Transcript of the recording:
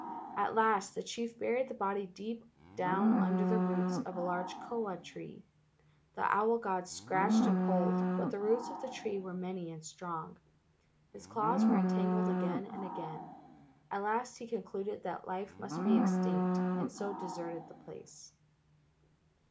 At last the chief buried the body deep down under the roots of a large koa tree. The owl god scratched and pulled, but the roots of the tree were many and strong. His claws were entangled again and again. At last he concluded that life must be extinct and so deserted the place.